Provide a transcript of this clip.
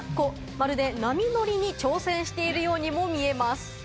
まるで波乗りに挑戦しているようにも見えます。